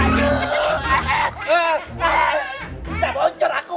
bisa boncor aku ya